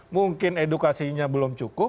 mungkin edukasinya belum cukup